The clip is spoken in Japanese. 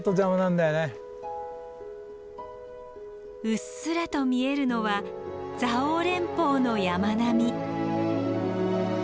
うっすらと見えるのは蔵王連峰の山並み。